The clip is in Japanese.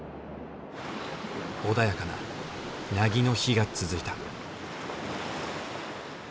穏やかな凪の日が続いた。